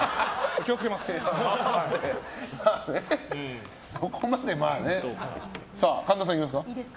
気を付けます。